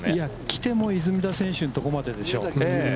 来ても出水田選手のところまででしょう。